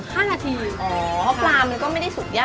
อ๋อปลามันก็ไม่ได้สุกยากใช่ไหมค่ะแม่